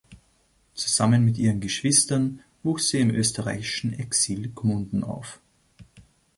Zusammen mit ihren Geschwistern wuchs sie im österreichischen Exil Gmunden auf.